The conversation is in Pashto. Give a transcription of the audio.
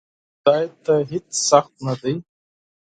خدای ته هیڅ سخت نه دی!